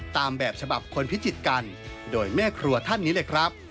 ตามแบบฉบับคนพิจิตรกันโดยแม่ครัวท่านนี้เลยครับ